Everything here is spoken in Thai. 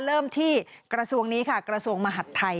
เริ่มที่กระทรวงนี้ค่ะกระทรวงมหัฐไทย